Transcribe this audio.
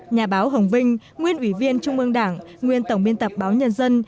nhà báo hồng vinh nguyên ủy viên trung ương đảng nguyên tổng biên tập báo nhân dân